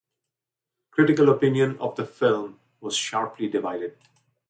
Critical opinion of the film was sharply divided.